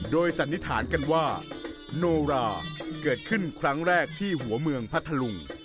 โดยสันนิษฐานกันว่าโนราเกิดขึ้นครั้งแรกที่หัวเมืองพัทธลุง